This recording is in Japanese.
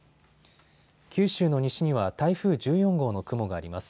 九州の西には台風１４号の雲があります。